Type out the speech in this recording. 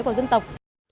của dân tộc